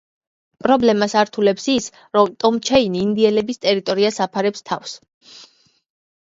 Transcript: პრობლემას ართულებს ის, რომ ტომ ჩეინი ინდიელების ტერიტორიას აფარებს თავს.